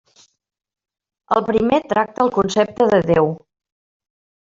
El primer tracta el concepte de Déu.